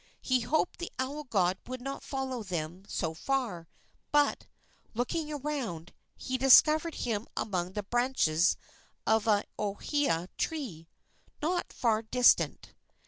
He hoped the owl god would not follow them so far, but, looking around, he discovered him among the branches of an ohia tree not far distant.